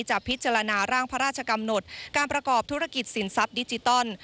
จะพิจารณาร่างพระราชกำหนดการประกอบธุรกิจสินทรัพย์ดิจิตอล